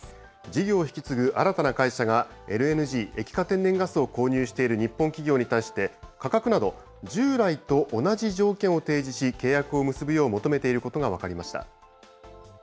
事業を引き継ぐ新たな会社が、ＬＮＧ・液化天然ガスを購入している日本企業に対して、価格など、従来と同じ条件を提示し、契約を結ぶよう求めていることが分かりました。